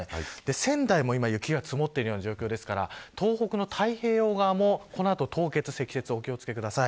仙台も今雪が積もっている状況ですから東北の太平洋側もこの後降雪や積雪お気を付けください。